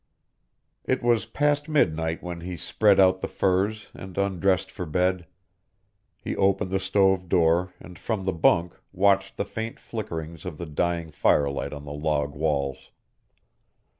It was past midnight when he spread out the furs and undressed for bed. He opened the stove door and from the bunk watched the faint flickerings of the dying firelight on the log walls.